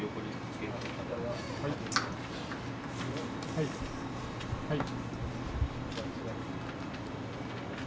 はいはい。